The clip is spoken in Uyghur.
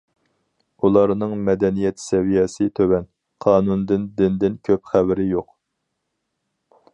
ئۇلارنىڭ مەدەنىيەت سەۋىيەسى تۆۋەن، قانۇندىن، دىندىن كۆپ خەۋىرى يوق.